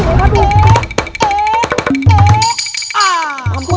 ampun nyanyi ampun